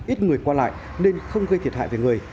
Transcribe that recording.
ít người qua lại nên không gây thiệt hại về người